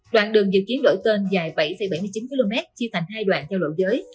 đoạn đường dự kiến đổi tên dài bảy bảy mươi chín km chia thành hai đoạn theo lộ giới